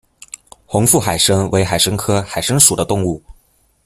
红腹海参为海参科海参属的动物。